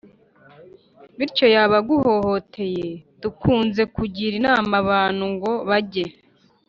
bityo yaba aguhohoteye. dukunze kugira inama abantu ngo bage